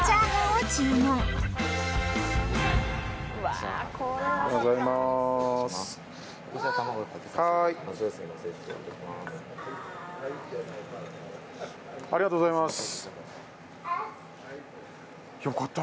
はーいありがとうございます